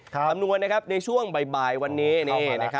คำนวณนะครับในช่วงบ่ายวันนี้